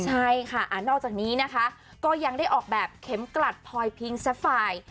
ใช่ค่ะนอกจากนี้นะคะก็ยังได้ออกแบบเข็มกลัดพลอยพิงซัดไฟล์